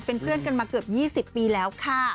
เป็นเพื่อนกันมาเกือบ๒๐ปีแล้วค่ะ